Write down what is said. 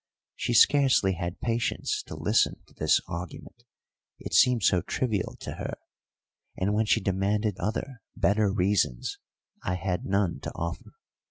She scarcely had patience to listen to this argument, it seemed so trivial to her, and when she demanded other better reasons I had none to offer.